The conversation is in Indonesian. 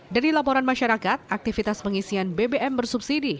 dari laporan masyarakat aktivitas pengisian bbm bersubsidi